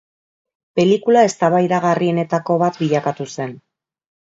Pelikula eztabaidagarrienetako bat bilakatu zen.